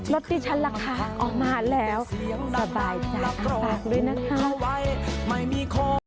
รถที่ฉันละคะออกมาแล้วสบายจากอาบปากด้วยนะคะ